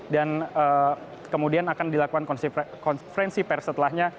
dan kemudian akan dilakukan konferensi pers setelahnya